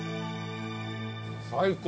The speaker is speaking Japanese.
最高！